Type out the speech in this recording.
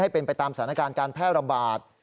เป็นไปตามสถานการณ์การแพร่ระบาด